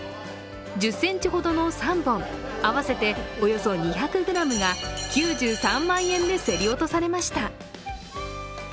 １０ｃｍほどの３本、合わせておよそ２００ｇが９３万円で競り落とされました。